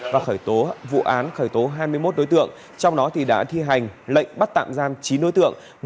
và khởi tố vụ án khởi tố hai mươi một đối tượng trong đó đã thi hành lệnh bắt tạm giam chín đối tượng